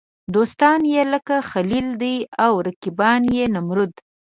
دوستان یې لکه خلیل دي او رقیبان نمرود.